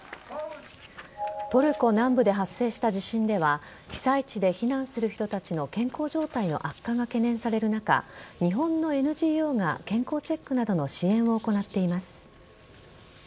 トルコ南部で発生した地震では被災地で避難する人たちの健康状態の悪化が懸念される中日本のＮＧＯが健康チェックなどの支援を行っています。